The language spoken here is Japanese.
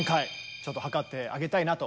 ちょっとはかってあげたいなと。